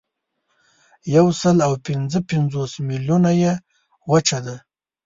یوسلاوپینځهپنځوس میلیونه یې وچه ده.